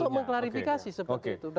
untuk mengklarifikasi sebetulnya